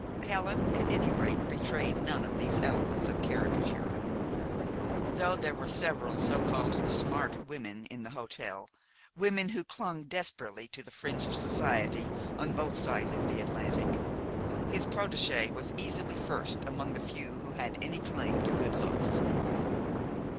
Helen, at any rate, betrayed none of these elements of caricature. Though there were several so called "smart" women in the hotel, women who clung desperately to the fringe of Society on both sides of the Atlantic, his protégée was easily first among the few who had any claim to good looks.